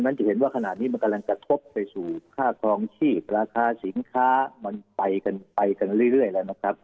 จะเห็นว่าขณะนี้มันกำลังกระทบไปสู่ค่าครองชีพราคาสินค้ามันไปกันไปกันเรื่อยแล้วนะครับ